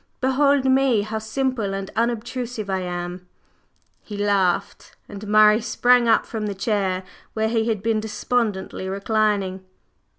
Behold me, how simple and unobtrusive I am!" He laughed, and Murray sprang up from the chair where he had been despondently reclining.